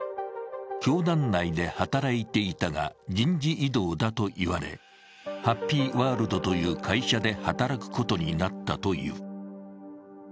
教団内で働いていたが人事異動だといわれハッピーワールドという会社で働くことになったという。